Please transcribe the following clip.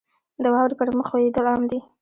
• د واورې پر مخ ښویېدل عام دي.